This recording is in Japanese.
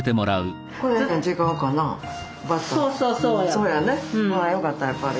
そうやね。わよかったやっぱり。